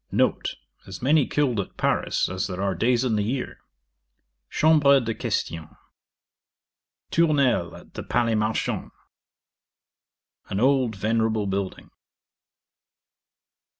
N. As many killed at Paris as there are days in the year. Chambre de question. Tournelle at the Palais Marchand. An old venerable building.